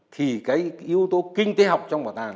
thì cái yếu tố kinh tế học trong bảo tàng